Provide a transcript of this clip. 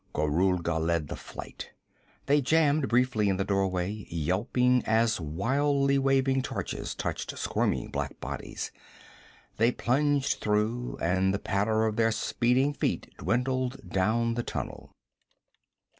Gorulga led the flight. They jammed briefly in the doorway, yelping as wildly waving torches touched squirming black bodies; they plunged through, and the patter of their speeding feet dwindled down the tunnel.